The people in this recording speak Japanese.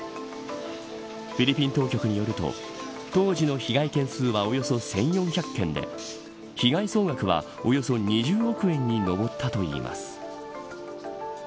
フィリピン当局によると当時の被害件数はおよそ１４００件で被害総額は、およそ２０億円に上ったといいます。